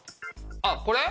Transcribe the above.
あっこれ？